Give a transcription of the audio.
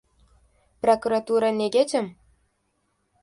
Prokuratura nega jim?